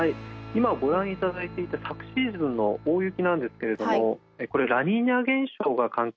今ご覧いただいていた昨シーズンの大雪なんですけれどもこれラニーニャ現象が関係しているんですが。